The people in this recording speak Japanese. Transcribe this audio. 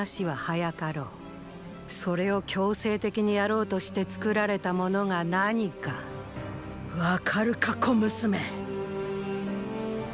それを強制的にやろうとして作られたものが何か分かるか小娘。